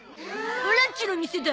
オラんちの店だ。